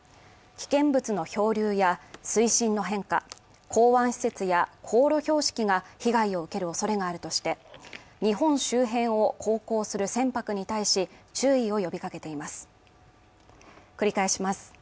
危険物の漂流や水深の変化、港湾施設や航路標識が被害を受ける恐れがあるとして、日本周辺を航行する船舶に対し注意を呼びかけています。